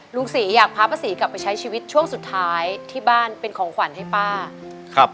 ลุงศรีอยากพาป้าศรีกลับไปใช้ชีวิตช่วงสุดท้ายที่บ้านเป็นของขวัญให้ป้าครับ